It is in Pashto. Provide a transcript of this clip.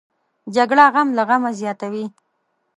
جګړه غم له غمه زیاتوي